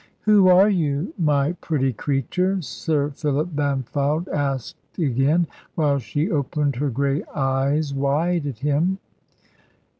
"Who are you, my pretty creature?" Sir Philip Bampfylde asked again, while she opened her grey eyes wide at him.